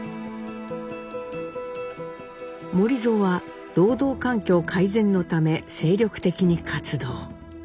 守造は労働環境改善のため精力的に活動。